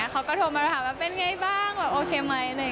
เขาก็โทรมาถามว่าเป็นไงบ้างแบบโอเคไหม